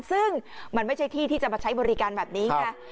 ซึ่งมันไม่ใช่ที่ที่จะมาใช้บริการแบบนี้ไง